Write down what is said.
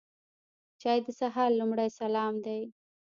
چای د سهار لومړی سلام دی.